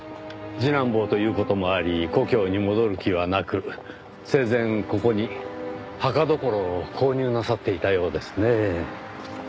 次男坊という事もあり故郷に戻る気はなく生前ここに墓所を購入なさっていたようですねぇ。